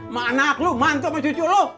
ma anak lu mantap ma cucu lu